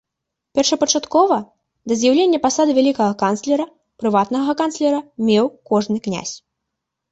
Першапачаткова, да з'яўлення пасады вялікага канцлера, прыватнага канцлера меў кожны князь.